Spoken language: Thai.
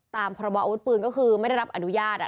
ตามพรบออาวุธปืนก็คือไม่ได้รับอนุญาต